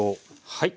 はい。